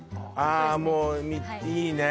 あもういいね